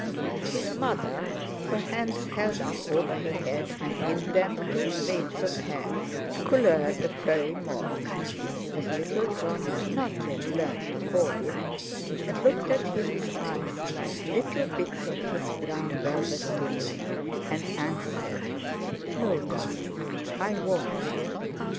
His mother, her hands held up over her head, and in them two plaits of hair—"couleur de feuille morte," as little Jon had not yet learned to call it—had looked at him with eyes like little bits of his brown velvet tunic, and answered: "No, darling, I won't."